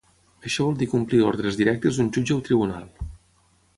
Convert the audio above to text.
Això vol dir complir ordres directes d’un jutge o tribunal.